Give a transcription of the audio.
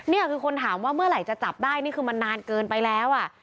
นี่คือคนถามว่าเมื่อไหร่จะจับได้นี่คือมันนานเกินไปแล้วอ่ะ